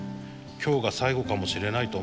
今日が最後かもしれないと思って。